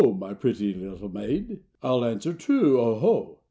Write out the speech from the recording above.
my pretty little maid. I'll answer true, 0 ho